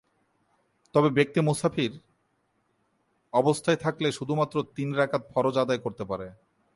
তবে ব্যক্তি মুসাফির অবস্থায় থাকলে শুধুমাত্র তিন রাকাত ফরজ আদায় করতে পারে।